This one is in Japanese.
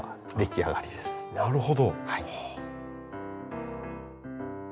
あなるほど。